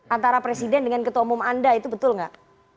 antara presiden dengan ketua umum anda itu betul nggak